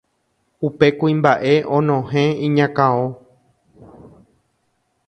upe kuimba'e onohẽ iñakão